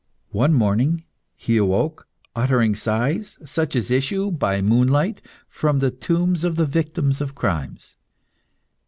One morning he awoke uttering sighs, such as issue, by moonlight, from the tombs of the victims of crimes.